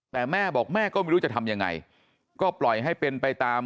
แต่แม่บอกแม่ก็ไม่รู้จะทำยังไงก็ปล่อยให้เป็นไปตาม